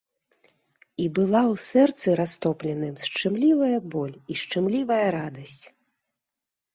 І была ў сэрцы растопленым шчымлівая боль і шчымлівая радасць.